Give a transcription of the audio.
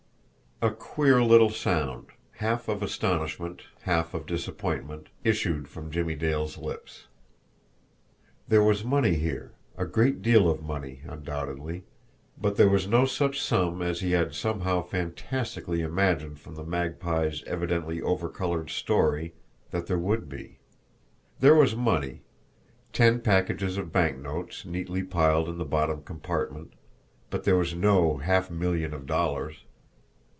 A queer little sound, half of astonishment, half of disappointment, issued from Jimmie Dale's lips. There was money here, a great deal of money, undoubtedly, but there was no such sum as he had, somehow, fantastically imagined from the Magpie's evidently overcoloured story that there would be; there was money, ten packages of banknotes neatly piled in the bottom compartment but there was no half million of dollars!